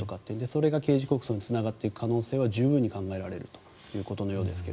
それが刑事告訴につながる可能性は十分に考えられるということのようです。